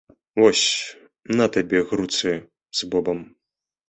Вось, на табе груцы з бобам!